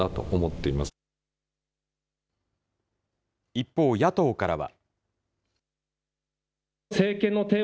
一方、野党からは。